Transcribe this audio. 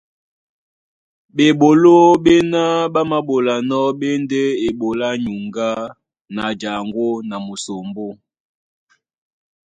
Bɓeɓoló ɓéná ɓá māɓolanɔ́ ɓé e ndé eɓoló á nyuŋgá na jaŋgó na musombó.